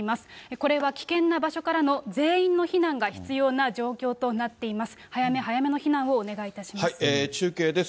これは危険な場所からの全員の避難が必要な状況となっています。